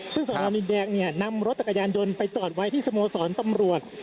ซึ่งสอนอดินแดงนำรถจักรยานไปจอดไว้ที่สโมสรตำรวจ